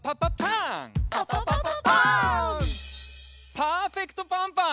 パーフェクトパンパン！